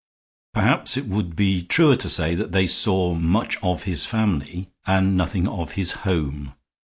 Perhaps it would be truer to say that they saw much of his family and nothing of his home.